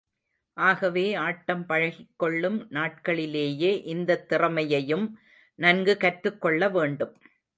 ஆகவே, ஆட்டம் பழகிக்கொள்ளும் நாட்களிலேயே இந்தத் திறமையையும் நன்கு கற்றுக்கொள்ள வேண்டும்.